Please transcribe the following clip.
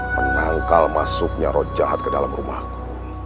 menangkal masuknya roh jahat ke dalam rumahku